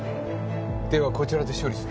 ではこちらで処理する。